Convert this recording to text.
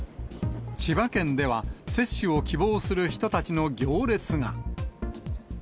千葉県では、接種を希望する人たちの行列が。